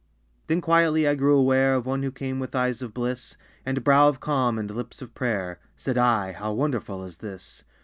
Then quietly I grew aware Of one who came with eyes of bliss And brow of calm and lips of prayer. Said I "How wonderful is this!